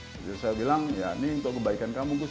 jadi saya bilang ya ini untuk kebaikan kamu agus